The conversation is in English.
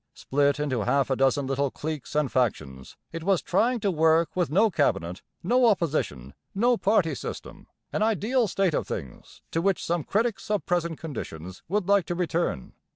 Split into half a dozen little cliques and factions, it was trying to work with no cabinet, no opposition, no party system an ideal state of things to which some critics of present conditions would like to return.